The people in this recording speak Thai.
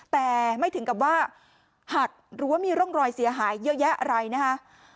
แต่ไม่ถึงกับว่าหักหรือว่ามีร่องรอยเสียหายเยอะแยะอะไรนะคะ